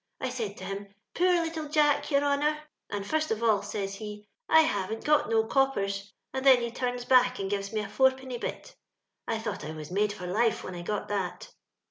I said to him, ' Poor little Jack, ycr honour/ and, fust of all, says he, ' 1 haven't got no coppers,' and then ho turns back and give me a fourpenny bit. I thought I was made for life when I got that.